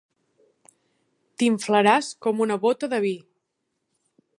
T'inflaràs com una bóta de vi.